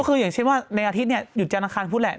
ก็คืออย่างเช่นว่าในอาทิตย์หยุดจันทร์อังพุธแหละ